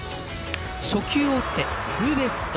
初球を打ってツーベースヒット。